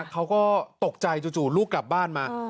เขาก็ตกใจจู่ลูกกลับบ้านมา